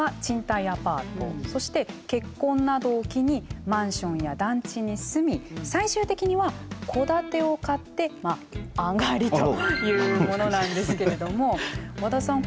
そして結婚などを機にマンションや団地に住み最終的には戸建てを買ってまああがりというものなんですけれども和田さん